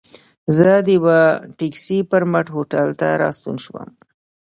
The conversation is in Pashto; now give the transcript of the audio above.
زه د یوه ټکسي پر مټ هوټل ته راستون شوم.